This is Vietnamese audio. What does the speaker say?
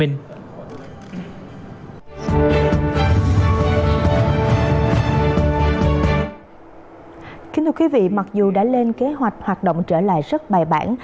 kính thưa quý vị mặc dù đã lên kế hoạch hoạt động trở lại rất bài bản